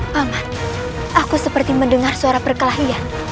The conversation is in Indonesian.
hama aku seperti mendengar suara perkelahian